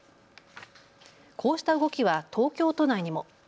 こうした動きは東京都内にも。